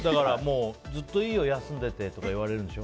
ずっといいよ休んでてって言われるんでしょ？